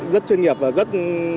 rất chuyên nghiệp và rất